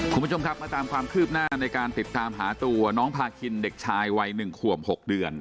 คุณผู้ชมครับมาตามความคืบหน้าในการติดตามหาตัวน้องพาคินเด็กชายวัย๑ขวบ๖เดือน